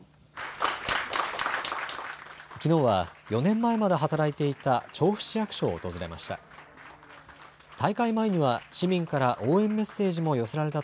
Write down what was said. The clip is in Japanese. きのうは４年前まで働いていた調布市役所を訪れました。